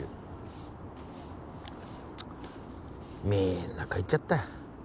みんな帰っちゃった。